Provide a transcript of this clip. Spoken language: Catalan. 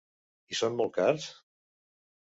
I són molt cars?